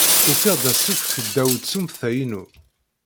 Ufiɣ-d asefk ddaw tsumta-inu.